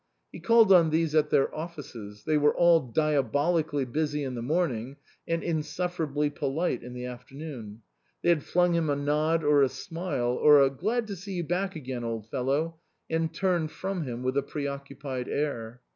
He called on these at their offices. They were all diabolically busy in the morning and insuffer ably polite in the afternoon ; they had flung him a nod or a smile or a " Glad to see you back again, old fellow," and turned from him with a preoccupied air.